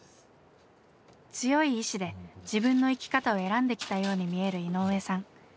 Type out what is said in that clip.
強い意志で自分の生き方を選んできたように見える井上さん。